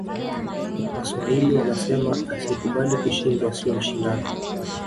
waswahili wanasema asiyekubali kushindwa siyo mshindani